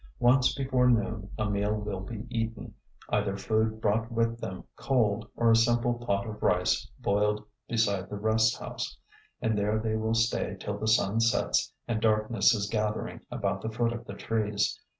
Once before noon a meal will be eaten, either food brought with them cold, or a simple pot of rice boiled beside the rest house, and there they will stay till the sun sets and darkness is gathering about the foot of the trees.